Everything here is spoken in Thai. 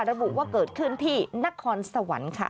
ระบุว่าเกิดขึ้นที่นครสวรรค์ค่ะ